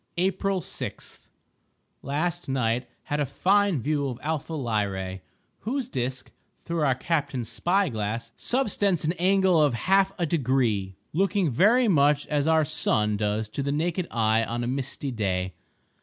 April 6.—Last night had a fine view of Alpha Lyrae, whose disk, through our captain's spy glass, subtends an angle of half a degree, looking very much as our sun does to the naked eye on a misty day.